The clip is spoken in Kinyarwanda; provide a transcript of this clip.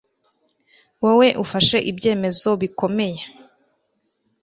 Wowe ufashe ibyemezo bikomeye